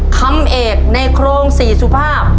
คำเอกในโครงสี่สุภาพ